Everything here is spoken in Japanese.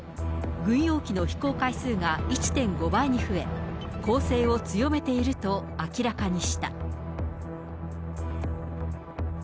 軍用機の飛行回数が１．５倍に増え、攻勢を強めていると明らかにした。